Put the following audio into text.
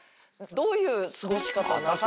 どういう過ごし方なさるのかな。